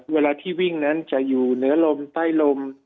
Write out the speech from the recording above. เวลาที่วิ่งนั้นจะอยู่เหนือลมใต้ลม